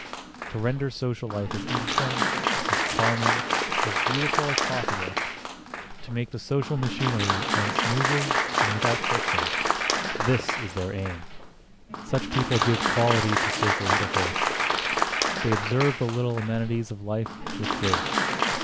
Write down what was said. To render social life as interesting, as charming, as beautiful as possible, to make the social machinery run smoothly and without friction,—this is their aim. Such people give quality to social intercourse. They observe the little amenities of life with grace.